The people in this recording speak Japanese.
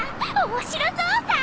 面白そうさ。